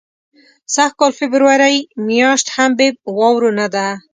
سږ کال فبرورۍ میاشت هم بې واورو نه ده.